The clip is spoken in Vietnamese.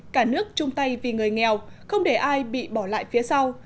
cả nước chung tay vì người nghèo không để ai bị bỏ lại phía sau